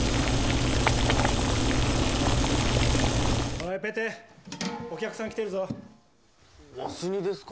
おいペテお客さん来てるぞわしにですか？